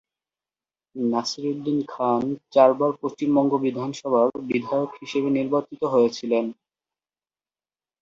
নাসিরুদ্দিন খান চারবার পশ্চিমবঙ্গ বিধানসভার বিধায়ক হিসেবে নির্বাচিত হয়েছিলেন।